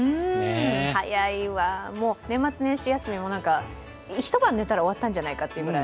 早いわ、もう年末年始休みも一晩寝たら終わったんじゃないかっていうぐらい。